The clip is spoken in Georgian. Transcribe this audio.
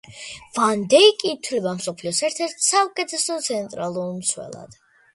ვან დეიკი ითვლება მსოფლიოს ერთ-ერთ საუკეთესო ცენტრალურ მცველად.